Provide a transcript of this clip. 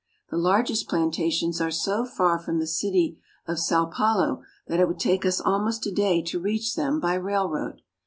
The largest plantations are so far from the city of Sao Paulo that it would take us almost a day to reach them by railroad.